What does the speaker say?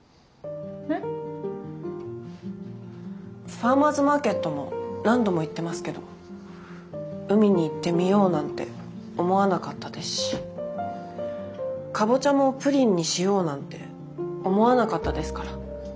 ファーマーズマーケットも何度も行ってますけど海に行ってみようなんて思わなかったですしかぼちゃもプリンにしようなんて思わなかったですから。